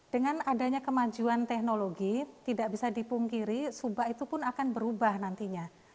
dengan adanya kemajuan teknologi tidak bisa dipungkiri subak itu pun akan berubah nantinya